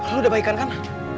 lo udah baikan kan